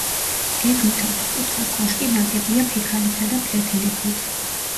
გეგმით ოთხკუთხა კოშკი ნაგებია ფიქალითა და ფლეთილი ქვით.